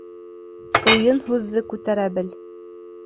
Уйын һүҙҙе күтәрә бел.